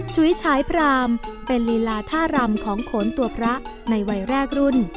ฉุยฉายพรามเป็นลีลาท่ารำของโขนตัวพระในวัยแรกรุ่น